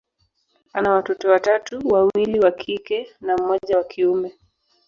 ana watoto watatu, wawili wa kike na mmoja wa kiume.